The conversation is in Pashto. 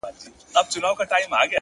تمرکز ګډوډي په چوپتیا بدلوي.!